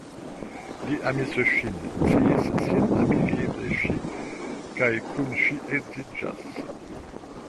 Li amis ŝin, sciis sin amigi de ŝi, kaj kun ŝi edziĝas.